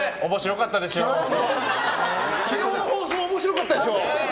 昨日の放送面白かったでしょ！